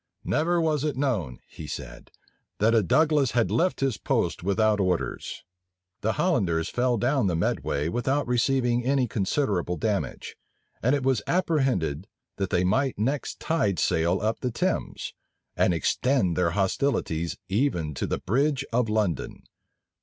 "Never was it known," he said, "that a Douglas had left his post without orders."[*] The Hollanders fell down the Medway without receiving any considerable damage; and it was apprehended, that they might next tide sail up the Thames, and extend their hostilities even to the bridge of London.